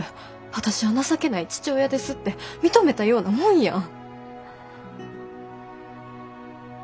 私は情けない父親ですって認めたようなもんやん。